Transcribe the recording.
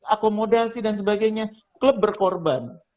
akomodasi dan sebagainya klub berkorban